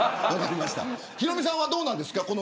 ヒロミさんはどうですか。